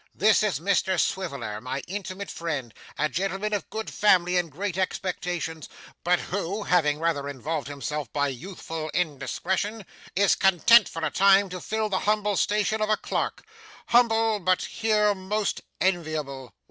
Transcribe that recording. This is Mr Swiveller, my intimate friend a gentleman of good family and great expectations, but who, having rather involved himself by youthful indiscretion, is content for a time to fill the humble station of a clerk humble, but here most enviable.